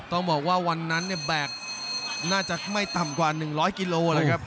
ต้องบอกว่าวันนั้นเนี่ยแบกน่าจะไม่ต่ำกว่า๑๐๐กิโลเลยครับ